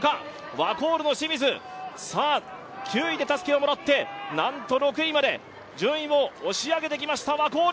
ワコールの清水、９位でたすきをもらってなんと６位まで順位を押し上げてきました。